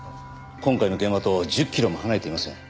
今回の現場と１０キロも離れていません。